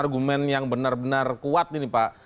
argumen yang benar benar kuat ini pak